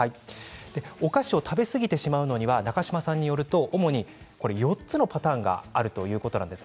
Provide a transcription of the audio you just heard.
お菓子を食べ過ぎてしまうのには中島さんによると主に４つのパターンがあるということなんです。